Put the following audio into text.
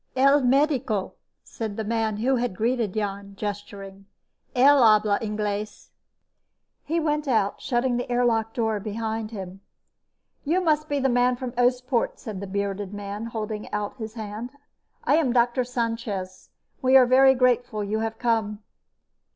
"Él médico," said the man who had greeted Jan, gesturing. "Él habla inglés." He went out, shutting the airlock door behind him. "You must be the man from Oostpoort," said the bearded man, holding out his hand. "I am Doctor Sanchez. We are very grateful you have come."